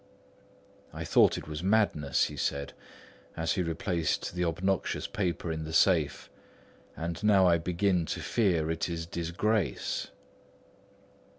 "I thought it was madness," he said, as he replaced the obnoxious paper in the safe, "and now I begin to fear it is disgrace."